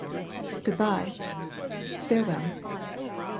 " Good by." " Farewell."